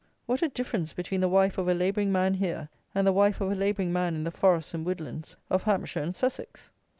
what a difference between the wife of a labouring man here, and the wife of a labouring man in the forests and woodlands of Hampshire and Sussex!